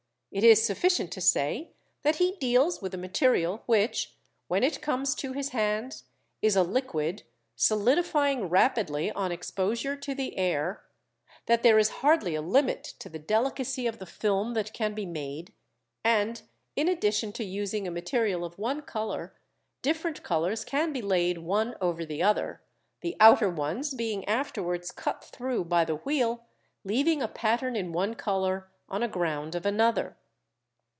It is sufficient to say that he deals with a material which, when it comes to his hands, is a liquid, solidifying rapidly on exposure to the air; that there is hardly a limit to the delicacy of the film that can be made; and, in addition to using a material of one colour, different colours can be laid one over the other, the outer ones being afterwards cut through by the wheel, leaving a pattern in one colour on a ground of another.